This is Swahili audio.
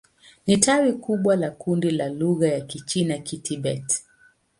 Ni tawi kubwa la kundi la lugha za Kichina-Kitibet.